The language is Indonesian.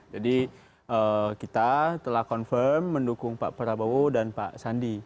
jadi kita telah confirm mendukung pak prabowo dan pak sandi